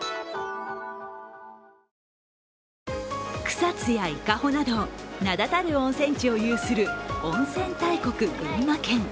草津や伊香保など、名だたる温泉地を有する温泉大国・群馬県。